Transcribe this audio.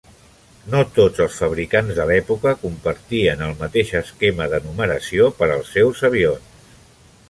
No tots els fabricants de l'època compartien el mateix esquema de numeració per als seus avions.